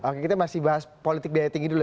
oke kita masih bahas politik biaya tinggi dulu